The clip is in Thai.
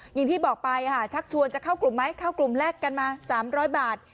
อย่างที่บอกไปค่ะชักชวนจะเข้ากลุ่มไหมเข้ากลุ่มแรกกันมา๓๐๐บาท